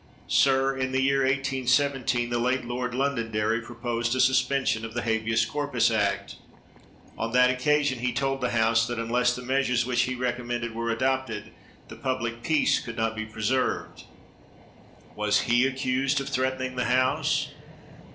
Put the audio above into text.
Sir, in the year 1817, the late Lord Londonderry proposed a suspen sion of the Habeas Corpus Act. On that occasion he told the House that, unless the measures which IV— 9 129 THE WORLD'S FAMOUS ORATIONS he recommended were adopted, the public peace could not be preserved. Was he accused of threatening the House